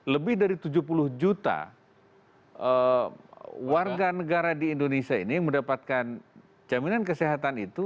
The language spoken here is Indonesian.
lebih dari tujuh puluh juta warga negara di indonesia ini yang mendapatkan jaminan kesehatan itu